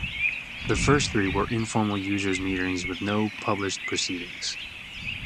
The first three were informal users' meetings with no published proceedings.